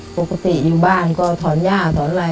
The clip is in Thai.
ปกติอยู่บ้านก็ถอนย่าถอนอะไร